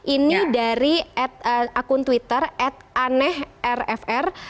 ini dari akun twitter atanehrfr